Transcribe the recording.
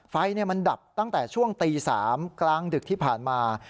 ไฟมันดับตั้งแต่ช่วงตี๓กลางดึกที่ผ่านมา